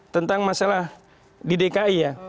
tentang masalah di dki ya